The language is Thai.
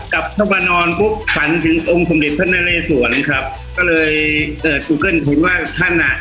กลับเข้ามานอนปุ๊บขันถึงองค์สมเด็จพระนเรสวนครับก็เลยเกิดอุเกิ้ลผุดว่าท่านอ่ะ